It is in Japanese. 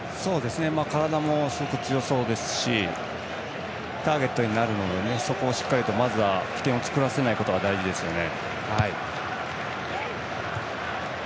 体も相当強そうですしターゲットになるのでそこで起点を作らせないことが大事ですよね。